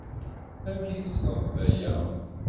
Amek ay tessneḍ Baya?